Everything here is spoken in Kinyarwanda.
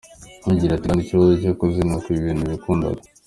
Agira kandi ikibazo cyo kuzinukwa ibintu yakundaga.